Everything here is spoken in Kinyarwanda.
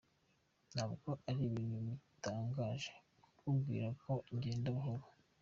Ntabwo ari ibintu bitangaje kukubwira ngo genda buhoro.